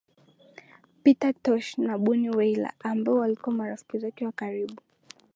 Peter Tosh na Bunny Wailer ambao walikuwa marafiki zake wa karibu